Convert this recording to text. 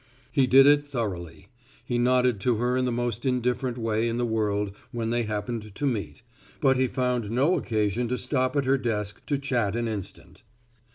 He did it thoroughly. He nodded to her in the most indifferent way in the world when they happened to meet, but he found no occasion to stop at her desk to chat an instant.